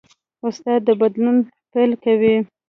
استاد د بدلون پیل کوي.